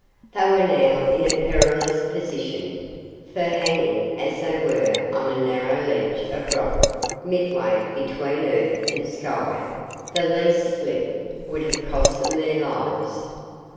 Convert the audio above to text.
They were now in a perilous position, for, hanging as they were on a narrow ledge of rock midway between earth and sky, the least slip would have cost them their lives.